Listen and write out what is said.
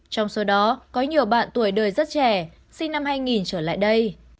trong số đó có nhiều bạn tuổi đời rất trẻ sinh năm hai nghìn trở lại đây